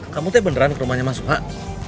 kamu beneran ke rumahnya masuk